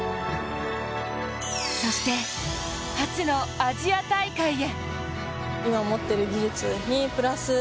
そして、初のアジア大会へ。